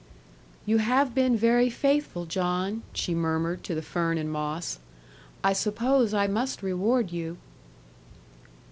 'You have been very faithful, John,' she murmured to the fern and moss; 'I suppose I must reward you.'